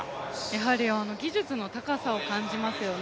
やはり技術の高さを感じますよね。